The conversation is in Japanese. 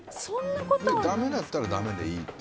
だめだったらだめでいいって。